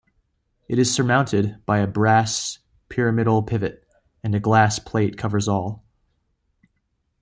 It is surmounted by a brass pyramidal pivot and a glass plate covers all.